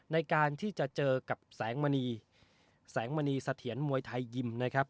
ในการที่จะเจอกับแสงมณีแสงมณีเสถียรมวยไทยยิมนะครับ